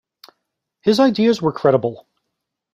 His ideas were credible.